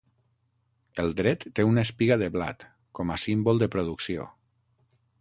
El dret té una espiga de blat, com a símbol de producció.